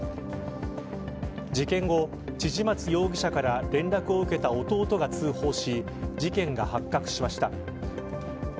事件後、千々松容疑者から連絡を受けた弟が通報し事件が発覚しました。